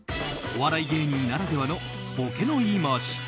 お笑い芸人ならではのボケの言い回し